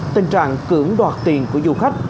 tình trạng cưỡng đoạt tiền của du khách